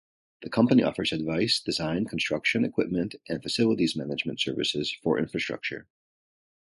The company offers advice, design, construction, equipment and facilities management services for infrastructure.